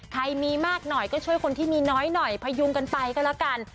ใครมีมากหน่อยก็ช่วยคนที่มีน้อยหน่อยพยุงกันไปก็แล้วกัน